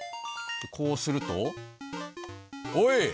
こうするとおい！